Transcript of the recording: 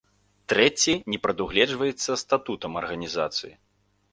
Трэці не прадугледжваецца статутам арганізацыі.